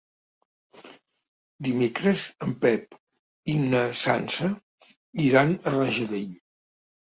Dimecres en Pep i na Sança iran a Rajadell.